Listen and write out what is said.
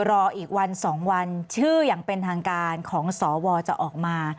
รออีกวัน๒วันชื่ออย่างเป็นทางการของสวจะออกมา